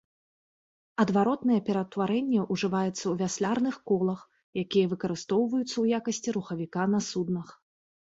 Адваротнае пераўтварэнне ўжываецца ў вяслярных колах, якія выкарыстоўваюцца ў якасці рухавіка на суднах.